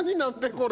これ。